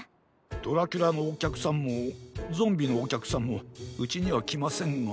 ドラキュラのおきゃくさんもゾンビのおきゃくさんもうちにはきませんが。